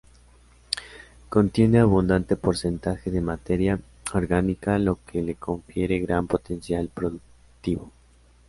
Contiene abundante porcentaje de materia orgánica lo que le confiere gran potencial productivo.